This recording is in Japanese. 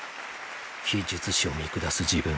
非術師を見下す自分。